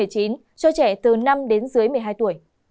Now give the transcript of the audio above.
cho trẻ từ năm đến dưới một mươi hai tuổi